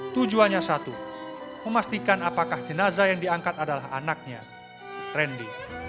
tujuannya satu memastikan apakah jenazah yang diangkat adalah anaknya randy